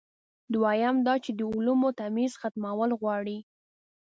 دویم دا چې د علومو تمیز ختمول غواړي.